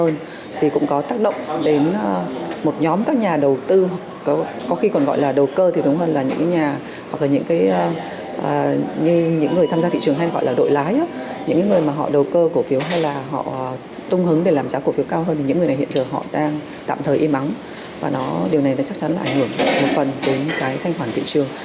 những người hiện giờ đang tạm thời im ắng điều này chắc chắn là ảnh hưởng một phần đến thanh khoản thị trường